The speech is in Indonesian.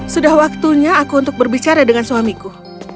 sudah waktunya aku untuk berbicara dengan suamiku